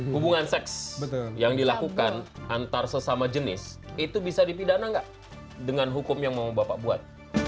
hubungan seks yang dilakukan antar sesama jenis itu bisa dipidana nggak dengan hukum yang mau bapak buat